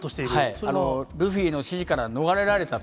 そルフィの指示から逃れられたと。